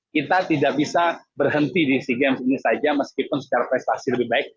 kita tidak bisa berhenti di sea games ini saja meskipun secara prestasi lebih baik